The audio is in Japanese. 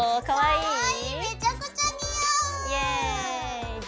かわいい！